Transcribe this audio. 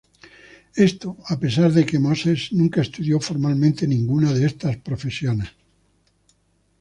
Esto, a pesar de que Moses nunca estudió formalmente ninguna de estas profesiones.